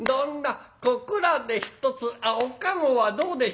ここらで一つあっお駕籠はどうでしょう？